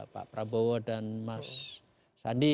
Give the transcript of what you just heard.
pak prabowo dan mas sandi